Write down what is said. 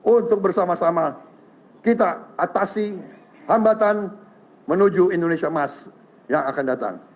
untuk bersama sama kita atasi hambatan menuju indonesia emas yang akan datang